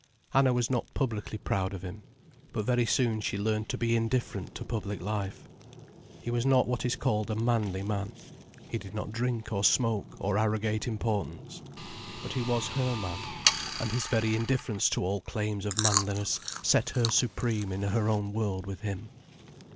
Anna was not publicly proud of him. But very soon she learned to be indifferent to public life. He was not what is called a manly man: he did not drink or smoke or arrogate importance. But he was her man, and his very indifference to all claims of manliness set her supreme in her own world with him.